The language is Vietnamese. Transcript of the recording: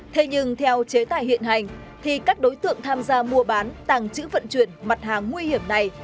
thế nhưng theo chế tài hiện hành thì các đối tượng tham gia mua bán tàng trữ vận chuyển mặt hàng nguy hiểm này